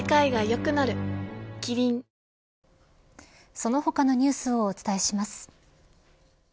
その他のニュースをお伝えします。